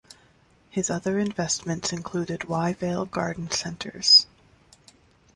His other investments included Wyevale Garden Centres.